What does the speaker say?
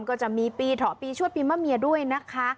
ก็จะมีปีเถาะปีชวดปีมะเมียด้วยนะคะ